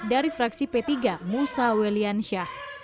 dari fraksi p tiga musa weliansyah